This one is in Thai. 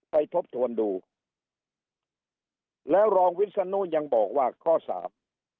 ทบทวนดูแล้วรองวิศนุยังบอกว่าข้อสาม